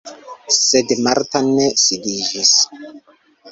Sed Marta ne sidiĝis.